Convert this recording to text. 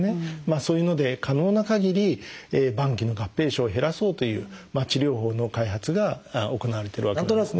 そういうので可能なかぎり晩期の合併症を減らそうという治療法の開発が行われてるわけなんですね。